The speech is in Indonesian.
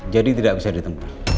jadi tidak bisa ditemukan